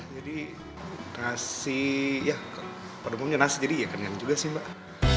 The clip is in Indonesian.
jadi nasi ya perumuhnya nasi jadi ya kenyang juga sih mbak